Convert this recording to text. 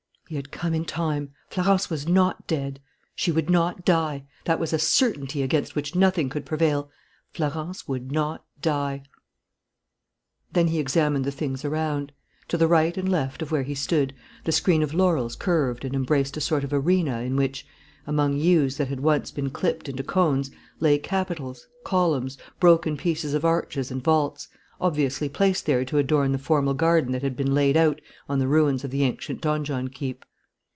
He had come in time. Florence was not dead. She would not die. That was a certainty against which nothing could prevail. Florence would not die. Then he examined the things around. To the right and left of where he stood the screen of laurels curved and embraced a sort of arena in which, among yews that had once been clipped into cones, lay capitals, columns, broken pieces of arches and vaults, obviously placed there to adorn the formal garden that had been laid out on the ruins of the ancient donjon keep.